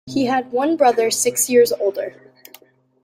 He had one brother six years older.